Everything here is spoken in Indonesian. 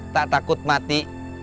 tak takut mati